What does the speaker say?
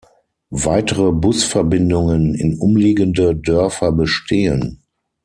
Weitere Busverbindungen in umliegende Dörfer bestehen.